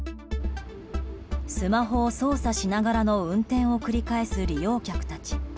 スマホを操作しながらの運転を繰り返す利用客たち。